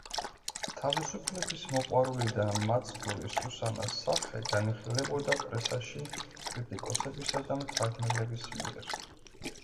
თავისუფლების მოყვარული და მაცდური სუსანას სახე განიხილებოდა პრესაში კრიტიკოსებისა და მთარგმნელების მიერ.